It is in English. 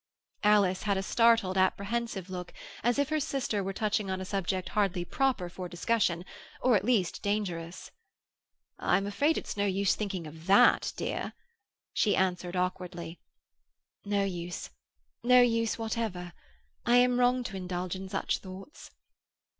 Alice had a startled, apprehensive look, as if her sister were touching on a subject hardly proper for discussion, or at least dangerous. "I'm afraid it's no use thinking of that, dear," she answered awkwardly. "No use; no use whatever. I am wrong to indulge in such thoughts."